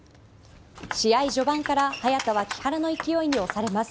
試合序盤から早田は木原の勢いに押されます。